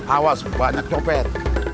awas banyak copet